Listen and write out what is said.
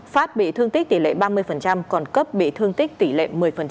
phát bị thương tích tỷ lệ ba mươi còn cấp bị thương tích tỷ lệ một mươi